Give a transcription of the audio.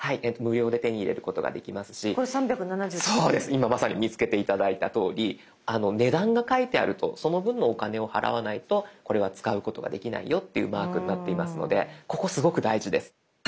今まさに見つけて頂いたとおり値段が書いてあるとその分のお金を払わないとこれは使うことができないよというマークになっていますのでここすごく大事です。